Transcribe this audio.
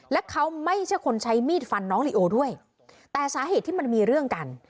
และเขาไม่ใช่คนใช้มีดฟันน้องลิโอด้วยแต่สาเหตุที่มันมีเรื่องกัน